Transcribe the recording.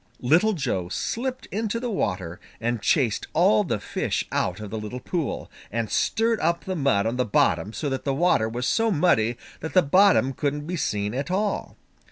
Little Joe slipped into the water and chased all the fish out of the little pool, and stirred up the mud on the bottom so that the water was so muddy that the bottom couldn't be seen at all.